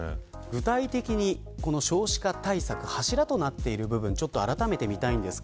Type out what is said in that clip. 具体的に少子化対策の柱となっている部分あらためて見たいと思います。